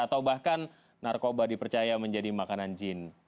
atau bahkan narkoba dipercaya menjadi makanan jin